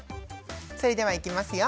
それではいきますよ。